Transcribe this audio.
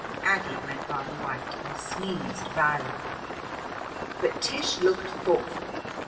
Aggie went rather white and sneezed violently. But Tish looked thoughtful.